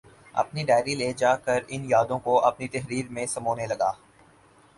اپنی ڈائری لے جا کر ان یادوں کو اپنی تحریر میں سمونے لگا